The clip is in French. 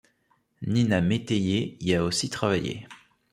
Nina Métayer y a aussi travaillé.